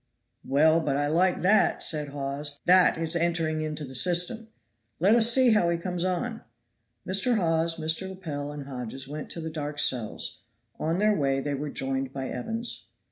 "Well, but I like that!" said Hawes. "That is entering into the system. Let us see how he comes on." Mr. Hawes, Mr. Lepel and Hodges went to the dark cells; on their way they were joined by Evans.